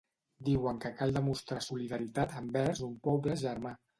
Diuen que cal demostrar solidaritat envers un poble ‘germà’.